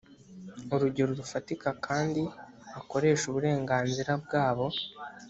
urugero rufatika kandi bakoreshe uburenganzira bwabo